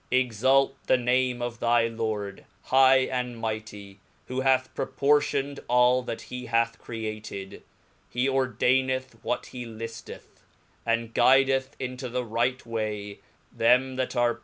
Exak the name of thy Lord, high and mighty ,who hath proportioned aU that he hath created ; he ordaineth what he lifteth, and giiidcth into the right way them that are p!